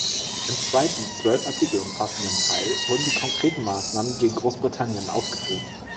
Im zweiten zwölf Artikel umfassenden Teil wurden die konkreten Maßnahmen gegen Großbritannien aufgeführt.